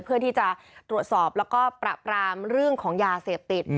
เพื่อที่จะตรวจสอบแล้วก็ประปรามเรื่องของยาเสพติด